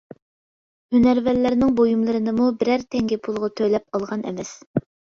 ھۈنەرۋەنلەرنىڭ بۇيۇملىرىنىمۇ بىرەر تەڭگە پۇل تۆلەپ ئالغان ئەمەس.